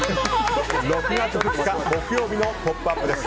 ６月２日、木曜日の「ポップＵＰ！」です。